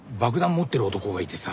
持ってる男がいてさ。